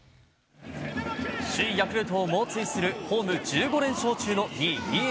首位ヤクルトを猛追するホーム１５連勝中の２位ＤｅＮＡ。